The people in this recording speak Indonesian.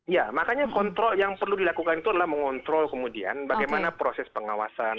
ya makanya kontrol yang perlu dilakukan itu adalah mengontrol kemudian bagaimana proses pengawasan